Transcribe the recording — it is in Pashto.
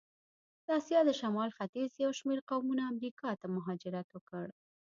د آسیا د شمال ختیځ یو شمېر قومونه امریکا ته مهاجرت وکړ.